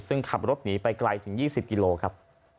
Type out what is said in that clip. ซึ่งขับรถหนีไปไกลถึง๒๐กิโลครับ